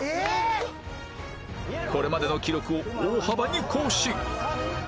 これまでの記録を大幅に更新